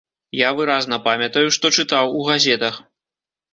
Я выразна памятаю, што чытаў у газетах.